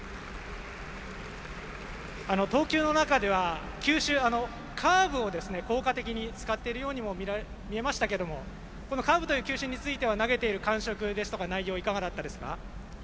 投球の中では、球種、カーブを効果的に使っているように見えましたけどカーブという球種については投げている感触とか内容はいかがだったですか？